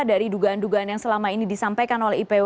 dari dugaan dugaan yang selama ini disampaikan oleh ipw